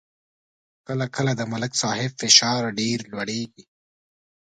کله کله د ملک صاحب فشار ډېر لوړېږي.